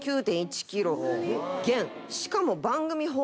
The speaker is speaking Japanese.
しかも。